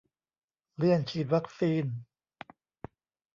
เลื่อนฉีดวัคซีน